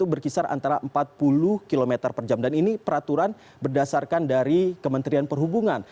berkisar antara empat puluh km per jam dan ini peraturan berdasarkan dari kementerian perhubungan